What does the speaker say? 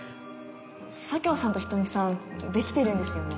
佐京さんと人見さんデキてるんですよね？